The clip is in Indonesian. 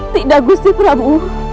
tidak gusti prabu